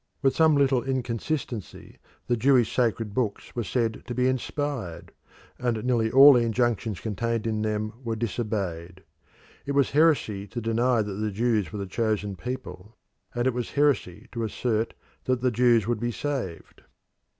With some little inconsistency, the Jewish sacred books were said to be inspired, and nearly all the injunctions contained in them were disobeyed. It was heresy to deny that the Jews were the chosen people, and it was heresy to assert that the Jews would be saved.